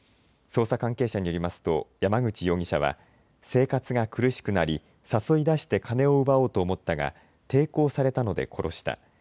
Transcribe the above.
捜査関係者によりますと山口容疑者は、生活が苦しくなり誘い出して金を奪おうと思ったが抵抗されたので殺した。